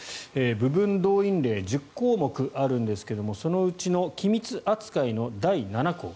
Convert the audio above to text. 部分動員令１０項目あるんですがそのうちの機密扱いの第７項。